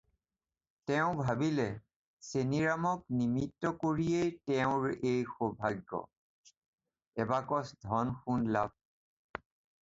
তেওঁ ভাবিলে চেনিৰামক নিমিত্ত কৰিয়েই তেওঁৰ এই সৌভাগ্য, এবাকচ ধন-সোণ লাভ।